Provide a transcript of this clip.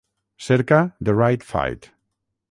Cerca The Right Fight